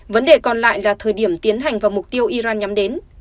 vấn đề còn lại là thời điểm tiến hành vào mục tiêu iran nhắm đến